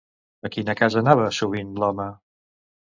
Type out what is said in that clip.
A quina casa anava sovint l'home?